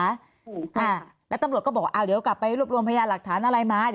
เนี่ยตำรวจกำลังบอกเอาเดี๋ยวกลับไปรวมพยาบาลหรักฐาน